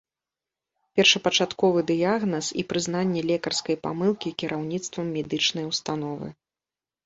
Першапачатковы дыягназ і прызнанне лекарскай памылкі кіраўніцтвам медычнай установы.